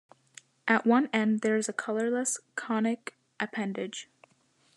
At one end there is a colorless, conic appendage.